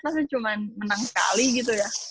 tapi cuma menang sekali gitu ya